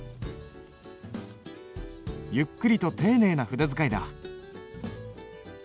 ゆっくりと丁寧な筆使いだ。